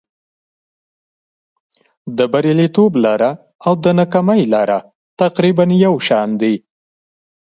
د بریالیتوب لاره او د ناکامۍ لاره تقریبا یو شان دي.